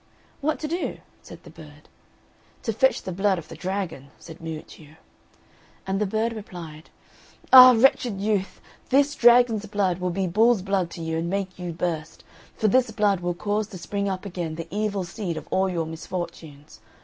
"What to do?" said the bird. "To fetch the blood of the dragon," said Miuccio. And the bird replied, "Ah, wretched youth! this dragon's blood will be bull's blood to you, and make you burst; for this blood will cause to spring up again the evil seed of all your misfortunes.